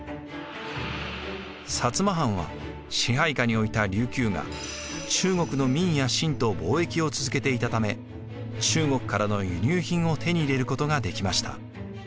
摩藩は支配下に置いた琉球が中国の明や清と貿易を続けていたため中国からの輸入品を手に入れることができました。